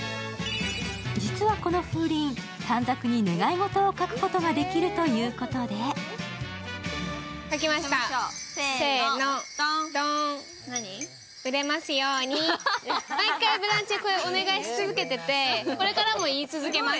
実はこの風鈴、短冊に願い事を書くことができるということで売れますように、毎回、「ブランチ」でこれをお願いし続けてて、これからも言い続けます。